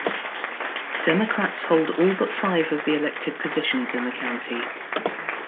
Democrats hold all but five of the elected positions in the county.